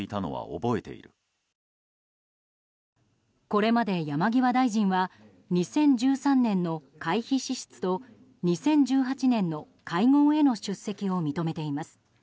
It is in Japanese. これまで、山際大臣は２０１３年の会費支出と２０１８年の会合への出席を認めています。